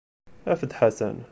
Afet-d Ḥasan.